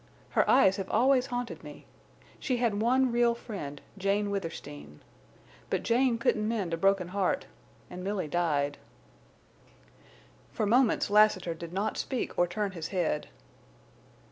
Her eyes have always haunted me. She had one real friend—Jane Withersteen. But Jane couldn't mend a broken heart, and Milly died." For moments Lassiter did not speak, or turn his head.